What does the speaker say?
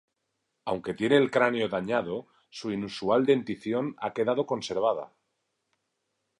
Aunque tiene el cráneo dañado, su inusual dentición ha quedado conservada.